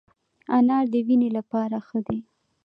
انار د وینې لپاره ښه دی